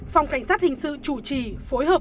phòng cảnh sát hình sự chủ trì phối hợp